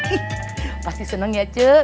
ih pasti senang ya cek